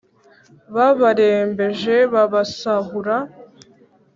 Babarembeje babasahura